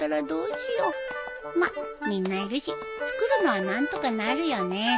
まっみんないるし作るのは何とかなるよね